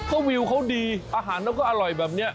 ก็วิวเขาดีอาหารเขาก็อร่อยแบบนี้